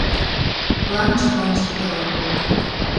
Планжым ончыктылын.